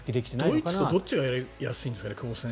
ドイツとどっちがやりやすいんですかね？